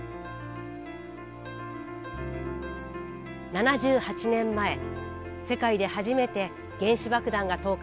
７８年前世界で初めて原子爆弾が投下された広島。